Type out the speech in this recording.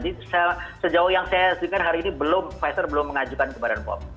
jadi sejauh yang saya sediakan hari ini pfizer belum mengajukan ke badan pom